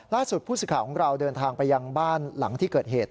ล่าสุดผู้สื่อข่าวของเราเดินทางไปยังบ้านหลังที่เกิดเหตุ